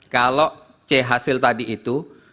kalau c hasil tadi itu